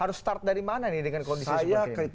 ini susah dari mana nih dengan kondisi seperti ini